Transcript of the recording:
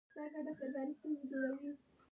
د کار قوانین د کارګرانو په ګټه اصلاح شول.